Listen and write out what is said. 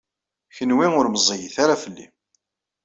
Kenwi ur meẓẓiyit ara fell-i.